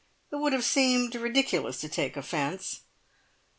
It would have seemed ridiculous to take offence.